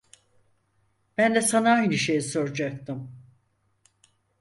Ben de sana aynı şeyi soracaktım.